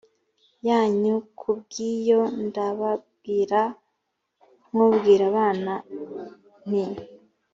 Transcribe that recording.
yanyu k ku bw ibyo ndababwira nk ubwira abana l nti